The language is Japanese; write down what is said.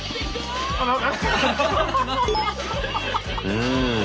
うん。